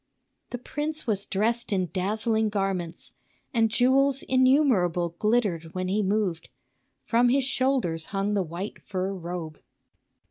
The prince was dressed in dazzling garments, and jewels innumerable glittered when he moved. From his shoulders hung the white fur robe.